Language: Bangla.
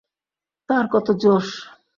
তার কত জোশ।